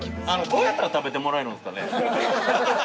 ◆どうやったら食べてもらえるんですかね。